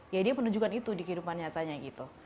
ya dia menunjukkan itu di kehidupan nyatanya gitu